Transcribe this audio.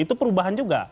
itu perubahan juga